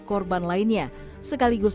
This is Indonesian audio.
korban lainnya sekaligus